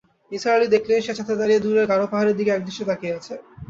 নিসার আলি দেখলেন, সে ছাদে দাঁড়িয়ে দূরের গারো পাহাড়ের দিকে একদৃষ্টিতে তাকিয়ে আছে।